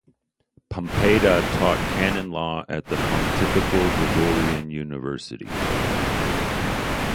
Pompedda taught canon law at the Pontifical Gregorian University.